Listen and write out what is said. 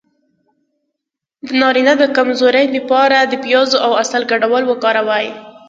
د نارینه د کمزوری لپاره د پیاز او عسل ګډول وکاروئ